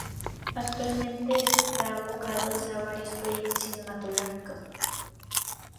Actualmente además está abocado a varios proyectos cinematográficos;